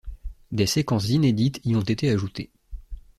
Des séquences inédites y ont été ajoutées.